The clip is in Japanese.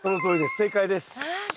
正解です。